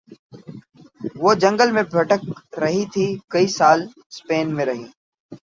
وہ جنگل میں بھٹک رہی تھی کئی سال سپین میں رہیں